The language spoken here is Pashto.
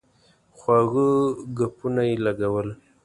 خواږه ګپونه یې لګول.